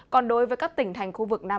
còn đối với các tỉnh thành khu vực nam